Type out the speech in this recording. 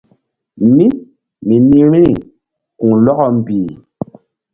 Mí mi nih vbi̧ri ku̧h lɔkɔ mbih.